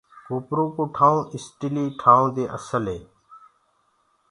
ڪوپرو ڪو ٺآئون اسٽيلي ڪآ ٽآئونٚ دي اسل هي۔